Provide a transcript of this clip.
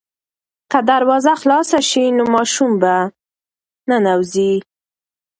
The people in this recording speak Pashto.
که دروازه خلاصه شي ماشوم به ننوځي.